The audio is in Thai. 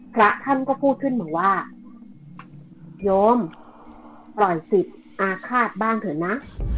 พระท่านก็พูดขึ้นมาว่าโยมปล่อยสิทธิ์อาฆาตบ้างเถอะนะ